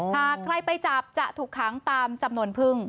หากใครไปจับจะถูกขังตามจำนวนพึ่ง